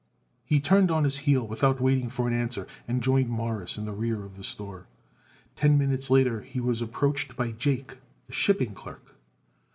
He turned on his heel without waiting for an answer and joined Morris in the rear of the store. Ten minutes later he was approached by Jake, the shipping clerk.